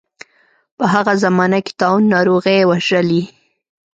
په هغه زمانه کې طاعون ناروغۍ وژلي.